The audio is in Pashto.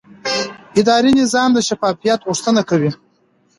اداري نظام د شفافیت غوښتنه کوي.